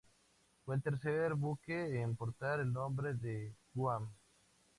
Fue el tercer buque en portar el nombre de Guam.